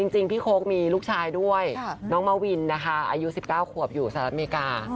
จริงพี่โค้กมีลูกชายด้วยน้องมาวินนะคะอายุ๑๙ขวบอยู่สหรัฐอเมริกา